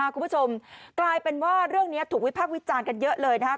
คุณผู้ชมกลายเป็นว่าเรื่องนี้ถูกวิพากษ์วิจารณ์กันเยอะเลยนะครับ